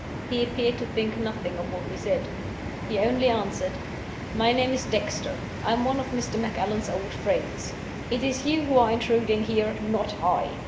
He appeared to think nothing of what we said. He only answered, 'My name is Dexter. I am one of Mr. Macallan's old friends. It is you who are intruding here not I.